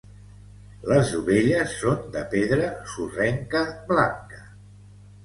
Les dovelles són de pedra sorrenca blanca.